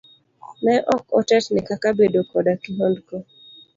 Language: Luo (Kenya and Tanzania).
Ne ok otetni kaka bedo koda kihondko.